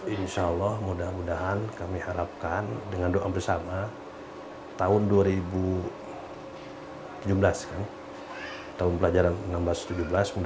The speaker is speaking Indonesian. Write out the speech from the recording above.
insya allah mudah mudahan kami harapkan dengan doa bersama tahun dua ribu tujuh belas kan tahun pelajaran enam belas tujuh belas mudah mudahan sudah bisa terbit